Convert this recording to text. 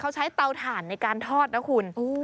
เขาใช้เตาถ่านในการทอดนะคุณ